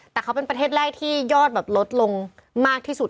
แต่เขาเป็นประเทศแรกที่ยอดแบบลดลงมากที่สุด